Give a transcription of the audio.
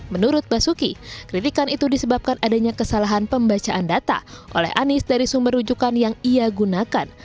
menurut basuki kritikan itu disebabkan adanya kesalahan pembacaan data oleh anies dari sumber rujukan yang ia gunakan